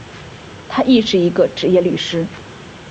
他亦是一个执业律师。